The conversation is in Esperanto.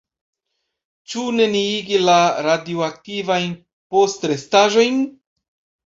Ĉu neniigi la radioaktivajn postrestaĵojn?